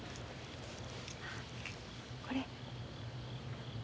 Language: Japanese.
これ。